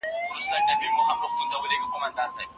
ګراني! شاعري